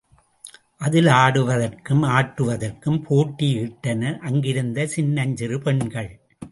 அதில் ஆடுவதற்கும் ஆட்டுவதற்கும் போட்டியிட்டனர் அங்கிருந்த சின்னஞ்சிறு பெண்கள்.